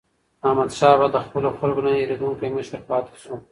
احمدشاه بابا د خپلو خلکو نه هېریدونکی مشر پاتې سو.